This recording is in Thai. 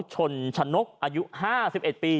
ชนชะนกอายุ๕๑ปี